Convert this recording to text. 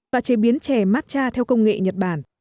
và chế biến trè matcha theo công nghệ nhật bản